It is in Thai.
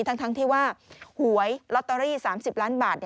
ทั้งที่ว่าหวยลอตเตอรี่๓๐ล้านบาท